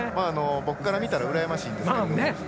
僕から見たら羨ましいんですけど。